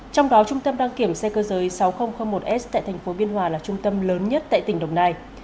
trong đó trung tâm đăng kiểm xe cơ giới sáu nghìn một s tại thành phố biên hòa là trung tâm lớn nhất tại tỉnh đồng nai